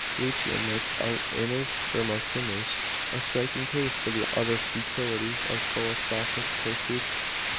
Lucian makes out in his Hermotimus a striking case for the utter futility of philosophic pursuits.